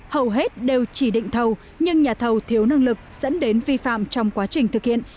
hầu hết đều chỉ định thầu nhưng nhà thầu thiếu năng lực dẫn đến vi phạm trong quá trình thực hiện